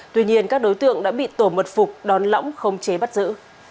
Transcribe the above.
tuy nhiên các đối tượng đã bị tổ mật phục đón lõng không chế bắt giữ